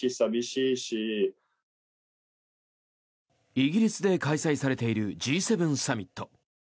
イギリスで開催されているＧ７サミット。